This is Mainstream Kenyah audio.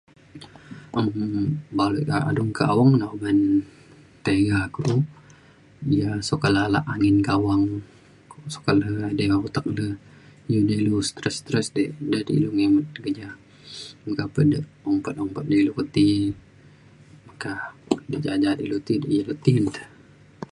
un baluk ek ga'ak adung ke awang ne uban tiga kulu yak sukat le alak angin ka awang sukat le edai utak le. iu de ilu stress stress di da de ilu ngimet keja. meka pa de ompet ompet de ilu ke ti meka de ja’at ja’at ilu ti dik ya ilu ti ne te